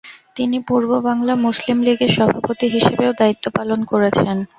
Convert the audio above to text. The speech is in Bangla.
তিনি পূর্ববাংলা মুসলিম লীগের সভাপতি হিসেবেও দায়িত্বপালন করেছেন।